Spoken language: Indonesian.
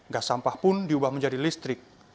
gas sampah pun diubah menjadi listrik